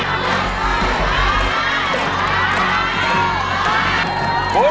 ใจจะขาดแล้วเอ้ย